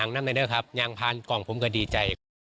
ขอแค่เดินผ่านกล้องก็ดีจ้ะ